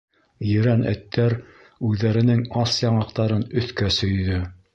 Ерән эттәр үҙҙәренең ас яңаҡтарын өҫкә сөйҙө.